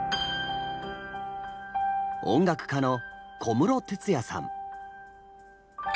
音楽家の小室哲哉さん。